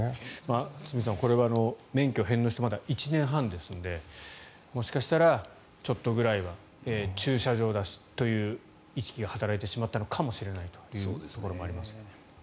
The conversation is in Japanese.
堤さんこれは免許を返納してまだ１年半ですのでもしかしたら、ちょっとぐらいは駐車場だしという意識が働いてしまったのかもしれないというところはありますね。